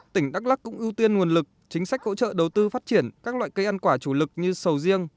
tỉnh đắk lắc cũng ưu tiên nguồn lực chính sách hỗ trợ đầu tư phát triển các loại cây ăn quả chủ lực như sầu riêng